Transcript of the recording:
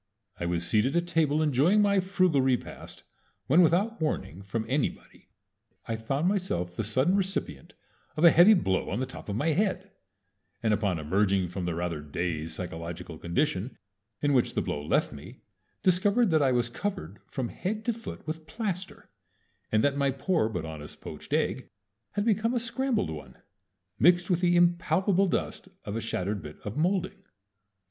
I was seated at table enjoying my frugal repast, when without warning from anybody I found myself the sudden recipient of a heavy blow on the top of my head, and upon emerging from the rather dazed psychological condition in which the blow left me discovered that I was covered from head to foot with plaster, and that my poor but honest poached egg had become a scrambled one, mixed with the impalpable dust of a shattered bit of molding.